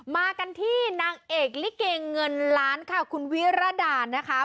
มากันที่นางเอกลิเกเงินล้านค่ะคุณวิรดานะคะ